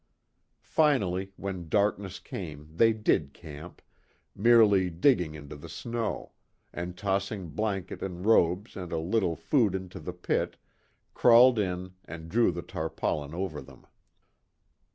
Finally, when darkness came they did camp, merely digging into the snow; and tossing blanket and robes and a little food into the pit, crawled in and drew the tarpaulin over them.